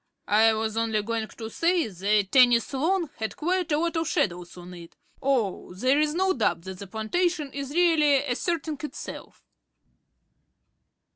"I was only going to say the tennis lawn had quite a lot of shadows on it. Oh, there's no doubt that the plantation is really asserting itself."